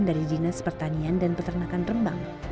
dari dinas pertanian dan peternakan rembang